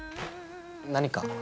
何か？